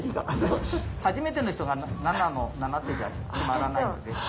初めての人が７の７手じゃ決まらないので。